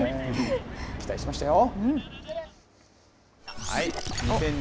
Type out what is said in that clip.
期待しましたよ。